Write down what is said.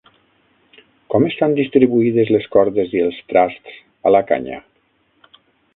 Com estan distribuïdes les cordes i els trasts a la canya?